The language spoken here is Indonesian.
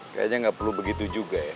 kayaknya nggak perlu begitu juga ya